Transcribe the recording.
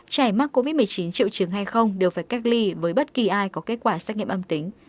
trẻ mắc covid một mươi chín triệu chứng hay không đều phải cách ly với bất kỳ ai có kết quả xét nghiệm âm tính